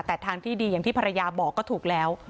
แต่ทางที่ดีอย่างที่ภรรยาบอกก็ถูกแล้ว